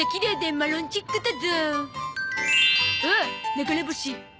流れ星。